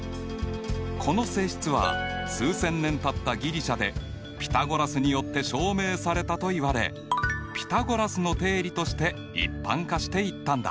この性質は数千年たったギリシャでピタゴラスによって証明されたといわれピタゴラスの定理として一般化していったんだ。